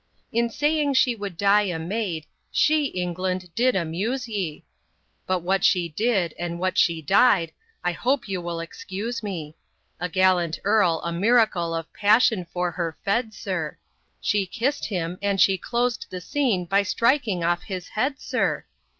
In saying she would die a maid, she, England! did amuse ye. But what she did, and what she died—I hope you will excuse me: A gallant Earl a miracle of passion for her fed, sir; She kiss'd him, and she clos'd the scene by striking off his head, sir!